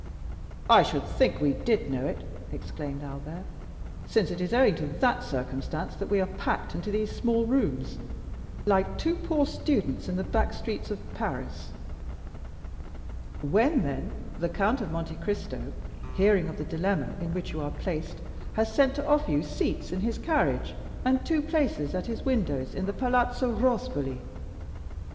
"I should think we did know it," exclaimed Albert, "since it is owing to that circumstance that we are packed into these small rooms, like two poor students in the back streets of Paris." "When, then, the Count of Monte Cristo, hearing of the dilemma in which you are placed, has sent to offer you seats in his carriage and two places at his windows in the Palazzo Rospoli."